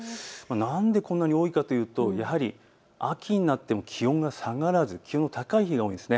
なんでこんなに多いかというとやはり秋になっても気温が下がらず気温が高い日が多いんです。